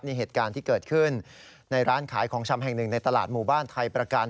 นี่เหตุการณ์ที่เกิดขึ้นในร้านขายของชำแห่งหนึ่งในตลาดหมู่บ้านไทยประกัน